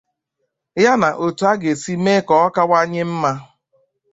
ya na otu a ga esi mee ka ọ kawanye mma.